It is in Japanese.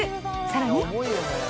さらに。